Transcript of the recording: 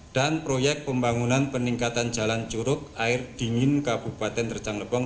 dan proyek pembangunan peningkatan jalan curug air dingin kabupaten terjang lebong